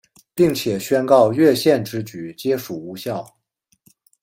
并且宣告越线之举皆属无效。